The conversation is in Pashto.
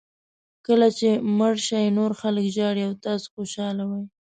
کله چې مړ شئ نور خلک ژاړي او تاسو خوشاله وئ.